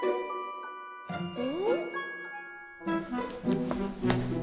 お？